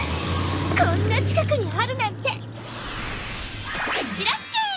こんな近くにあるなんてプチラッキー！